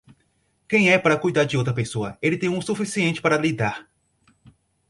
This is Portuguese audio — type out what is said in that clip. Quem é para cuidar de outra pessoa, ele tem o suficiente para lidar.